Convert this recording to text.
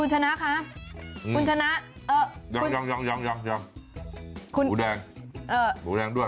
หูแดงหูแดงด้วย